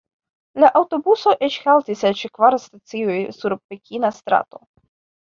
La aŭtobuso eĉ haltis ĉe kvar stacioj sur pekina strato.